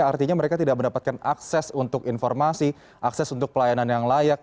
artinya mereka tidak mendapatkan akses untuk informasi akses untuk pelayanan yang layak